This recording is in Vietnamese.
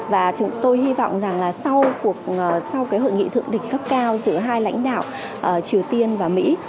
và chúng tôi hy vọng rằng là sau cái hội nghị thượng đỉnh cấp cao giữa hai lãnh đạo triều tiên và mỹ